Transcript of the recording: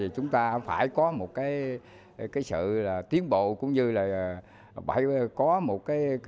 chúng ta phải có một sự tiến bộ cũng như có một